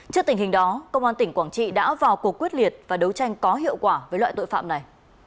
trước tình hình đó công an tỉnh quảng trị đã vào cuộc quyết liệt và đấu tranh có hiệu quả với loại tội phạm này